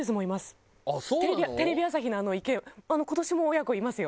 テレビ朝日のあの池今年も親子いますよ。